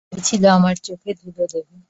ভেবেছিল আমার চোখে ধুলো দেবে?